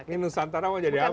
ini nusantara mau jadi apa